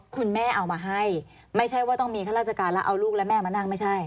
คุณแม่เอามาให้ไม่ใช่ว่าต้องมีข้าราชการแล้วเอาลูกและแม่มานั่งไม่ใช่